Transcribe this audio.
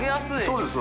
そうです